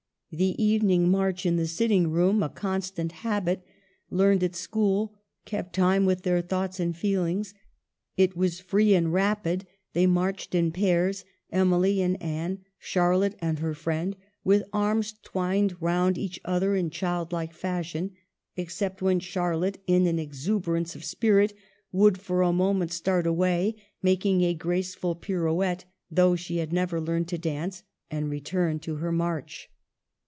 The evening march in the sitting room, a constant habit learned at school, kept time with their thoughts and feel ings, it was free and rapid ; they marched in pairs, Emily and Anne, Charlotte and her friend, with arms twined round each other in childlike fashion, except when Charlotte, in an exuber ance of spirit, would for a moment start away, make a graceful pirouette (though she had never learned to dance) and return to her march."